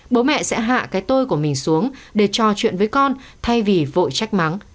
bố mẹ sẽ hạ cái tôi của mình xuống để trò chuyện với con thay vì vội trách mắng